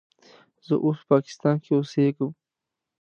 زه اوس په پاکستان کې اوسیږم.